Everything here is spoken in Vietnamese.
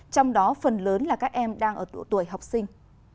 trong đó phần lớn là các em đang ở độ tuổi học sinh